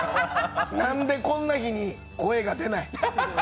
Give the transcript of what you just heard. なんでこんな日に声が出ない。